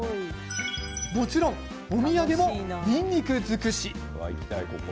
もちろん、お土産もにんにく尽くし。